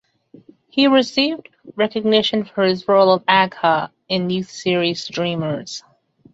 He first received recognition for his role of Agha in Youth series "Dreamers".